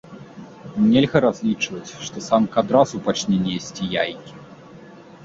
Нельга разлічваць, што самка адразу пачне несці яйкі.